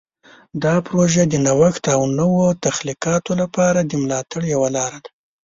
دا پروژه د نوښت او نوو تخلیقاتو لپاره د ملاتړ یوه لاره ده.